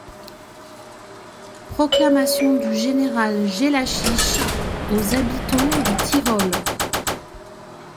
Proclamation du général Jellachich aux habitons du Tyrol.